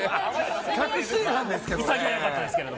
確信犯ですけどね。